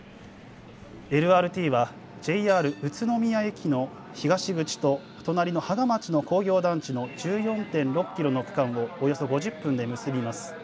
ＬＲＴはＪＲ宇都宮駅の東口と隣の芳賀町の工業団地の１４．６キロの区間をおよそ５０分で結びます。